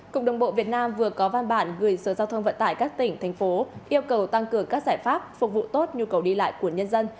cục đồng bộ việt nam vừa có văn bản gửi sở giao thông vận tải các tỉnh thành phố yêu cầu tăng cường các giải pháp phục vụ tốt nhu cầu đi lại của nhân dân